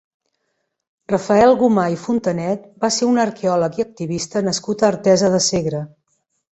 Rafael Gomà i Fontanet va ser un arqueòleg i activista nascut a Artesa de Segre.